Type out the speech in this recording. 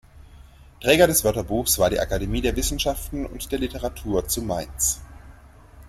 Träger des Wörterbuchs war die Akademie der Wissenschaften und der Literatur zu Mainz.